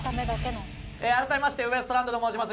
改めましてウエストランドと申します